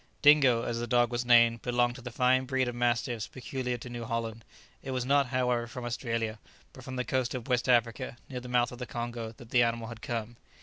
Dingo, as the dog was named, belonged to the fine breed of mastiffs peculiar to New Holland. It was not, however, from Australia, but from the coast of West Africa, near the mouth of the Congo, that the animal had come.